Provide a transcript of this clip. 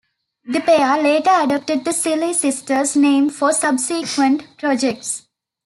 The pair later adopted the Silly Sisters name for subsequent projects.